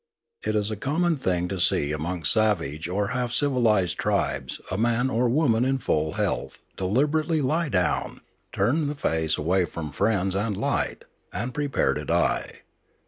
It is a common thing to see amongst savage or half civilised tribes a man or woman in full health deliberately lie down, turn the face away from friends and light, and prepare to die.